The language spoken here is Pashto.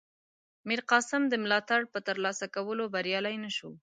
میرقاسم د ملاتړ په ترلاسه کولو بریالی نه شو.